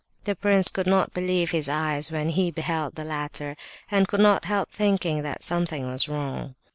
The prince could not believe his eyes when he beheld the latter, and could not help thinking that something was wrong.